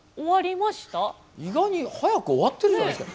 意外に早く終わってるじゃないですか。